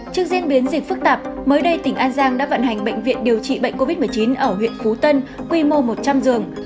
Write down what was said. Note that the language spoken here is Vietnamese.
trước diễn biến dịch phức tạp mới đây tỉnh an giang đã vận hành bệnh viện điều trị bệnh covid một mươi chín ở huyện phú tân quy mô một trăm linh giường